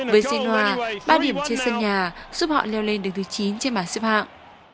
với sinh hoa ba điểm trên sân nhà giúp họ leo lên đứng thứ chín trên bàn xếp hạng